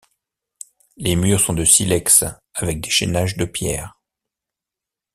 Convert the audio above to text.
Les murs sont de silex avec des chainages de pierres.